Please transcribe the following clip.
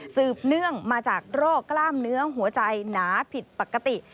เนื่องมาจากโรคกล้ามเนื้อหัวใจหนาผิดปกติ